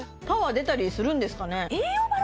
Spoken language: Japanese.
出たりするんですかね